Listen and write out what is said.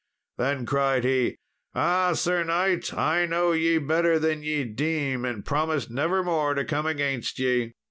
Then cried he, "Ah! Sir knight, I know ye better than ye deem, and promise nevermore to come against ye."